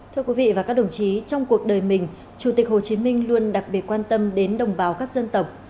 thưa quý vị và các đồng chí trong cuộc đời mình chủ tịch hồ chí minh luôn đặc biệt quan tâm đến đồng bào các dân tộc